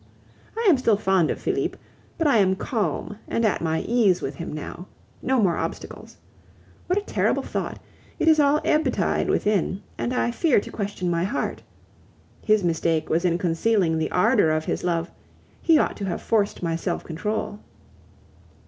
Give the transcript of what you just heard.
I am still fond of Felipe, but I am calm and at my ease with him now. No more obstacles! What a terrible thought! It is all ebb tide within, and I fear to question my heart. His mistake was in concealing the ardor of his love; he ought to have forced my self control.